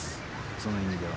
その意味では。